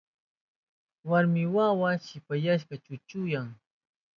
Warmi wawa shipasyashpan chuchuyan.